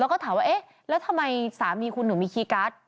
แล้วก็ถามว่าเอ๊ะแล้วทำไมสามีคุณถึงมีคีย์การ์ด